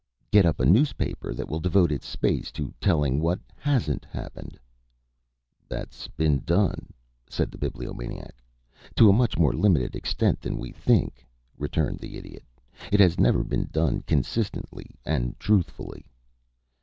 "Get up a newspaper that will devote its space to telling what hasn't happened." "That's been done," said the Bibliomaniac. "To a much more limited extent than we think," returned the Idiot. "It has never been done consistently and truthfully."